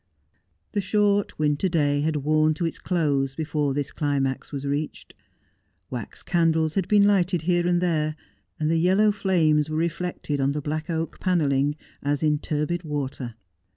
The short winter day had worn to its close before this climax was reached ; wax candles had been lighted here and there, and the yellow flames we™ reflected on the black oak panelling as in turbid water.